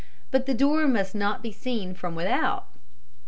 But the door must not be seen from without.